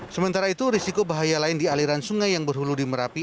sementara itu risiko bahaya lain di aliran sungai yang berhulu di merapi